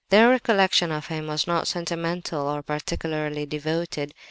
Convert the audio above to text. Their recollection of him was not sentimental or particularly devoted.